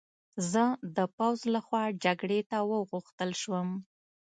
زه د پوځ له خوا جګړې ته وغوښتل شوم